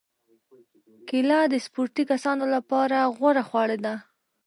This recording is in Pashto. کېله د سپورتي کسانو لپاره غوره خواړه ده.